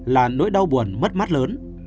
là nỗi đau buồn mất mắt lớn